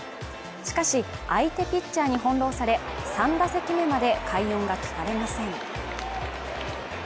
しかし、相手ピッチャーに翻弄され、３打席目まで快音が聞かれません。